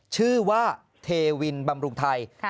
ชื่อว่าเทวินบำรุงไทย